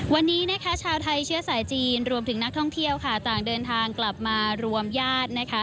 วันนี้นะคะชาวไทยเชื้อสายจีนรวมถึงนักท่องเที่ยวค่ะต่างเดินทางกลับมารวมญาตินะคะ